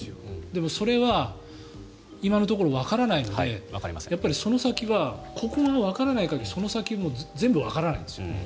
でも、それは今のところわからないのでやっぱりその先はここがわからない限りその先は全部わからないんです。